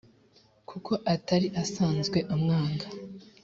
kuko atari asanzwe amwanga